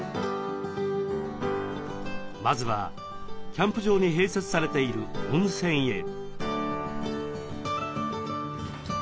まずはキャンプ場に併設されている温泉へ。